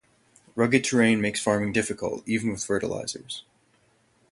Rugged terrain makes farming difficult, even with fertilisers.